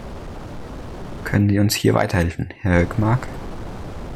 Können Sie uns hier weiterhelfen, Herr Hökmark?